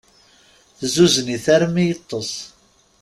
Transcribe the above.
Tezzuzzen-it armi yeṭṭes.